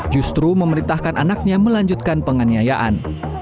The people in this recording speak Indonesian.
justru memerintahkan anaknya melanjutkan penganiayaan